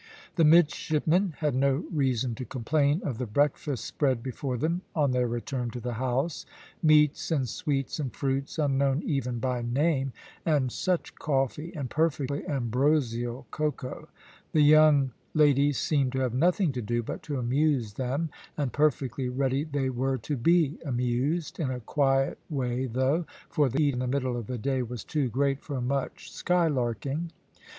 The midshipmen had no reason to complain of the breakfast spread before them on their return to the house; meats and sweets and fruits, unknown even by name; and such coffee, and perfectly ambrosial cacao. The young ladies seemed to have nothing to do but to amuse them, and perfectly ready they were to be amused, in a quiet way though, for the heat in the middle of the day was too great for much skylarking.